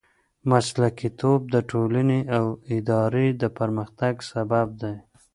مسلکیتوب د ټولنې او ادارې د پرمختګ سبب دی.